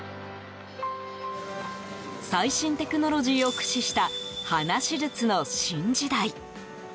最新テクノロジーを駆使した鼻手術の新時代。